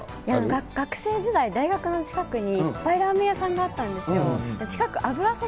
学生時代、大学の近くにいっぱいラーメン屋さんがあったんですよ。